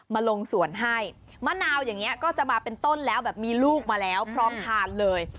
มาลงสวนให้มะนาวอย่างนี้ก็จะมาเป็นต้นแล้วแบบมีลูกมาแล้วพร้อมทานเลย